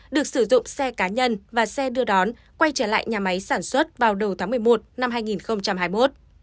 được sử dụng xe cá nhân và xe đưa đón quay trở lại nhà máy sản xuất vào đầu tháng một mươi một năm hai nghìn hai mươi một